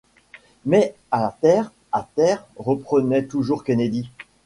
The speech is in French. Mais à terre! à terre ! reprenait toujours Kennedy.